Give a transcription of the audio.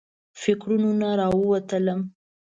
فکرونو راووتلم.